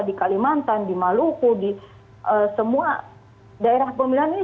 di kalimantan di maluku di semua daerah pemilihan ini